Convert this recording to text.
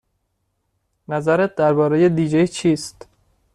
نظرت درباره دی جی چیست؟